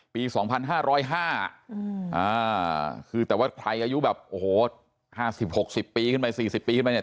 ปีสองพันห้าร้อยห้าอืมอ่าคือแต่ว่าใครอายุแบบโอ้โหห้าสิบหกสิบปีขึ้นไปสี่สิบปีขึ้นไปเนี่ย